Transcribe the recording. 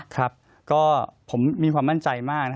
ครับก็ผมมีความมั่นใจมาก